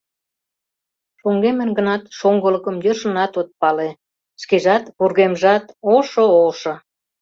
Шоҥгемын гынат, шоҥгылыкым йӧршынат от пале: шкежат, вургемжат — ошо-ошо.